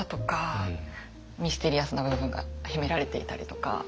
ミステリアスな部分が秘められていたりとか。